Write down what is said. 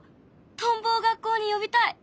トンボを学校に呼びたい！